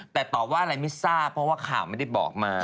แต่ตอบว่าอะไรไม่ทราบเพราะว่าข่าวไม่ได้บอกมา